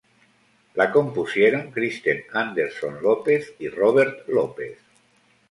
La compusieron Kristen Anderson-Lopez y Robert Lopez.